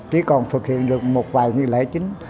chỉ còn thực hiện được một vài nghi lễ chính